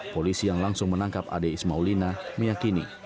polisi yang langsung menangkap ade ismaulina meyakini